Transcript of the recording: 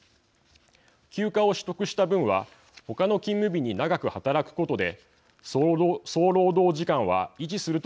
休暇を取得した分は他の勤務日に長く働くことで総労働時間は維持するとしています。